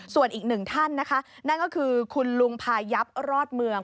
ส่วนอีกหนึ่งท่านนะคะนั่นก็คือคุณลุงพายับรอดเมือง